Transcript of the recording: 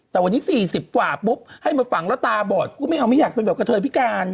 แต่วันนี้๔๐กว่าปุ๊บให้มาฝังแล้วตาบอดกูไม่เอาไม่อยากเป็นแบบกระเทยพิการ